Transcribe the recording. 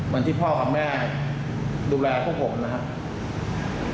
วันที่พ่อกับแม่ดูแลพวกผมนะครับ